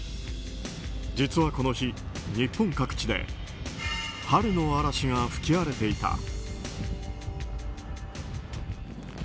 実はこの日、日本各地で春の嵐が吹き荒れていた。